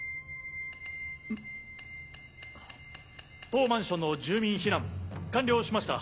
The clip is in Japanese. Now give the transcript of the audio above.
当マンションの住民避難完了しました。